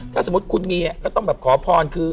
ถ้าสมมติคุณมีก็ต้องขอพร